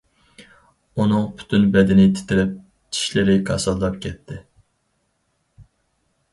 ئۇنىڭ پۈتۈن بەدىنى تىترەپ، چىشلىرى كاسىلداپ كەتتى.